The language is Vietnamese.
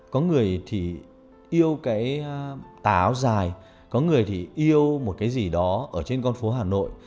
có người thì yêu cái tà áo dài có người thì yêu một cái gì đó ở trên con phố hà nội